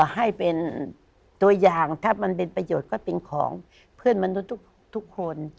ให้เป็นตัวอย่างถ้ามันเป็นประโยชน์ก็เป็นของเพื่อนมนุษย์ทุกคน